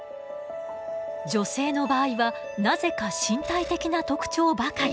女性の場合はなぜか身体的な特徴ばかり。